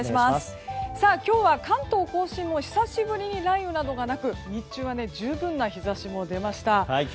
今日は関東・甲信も久しぶりに雷雨などがなく日中は十分な日差しも出ました。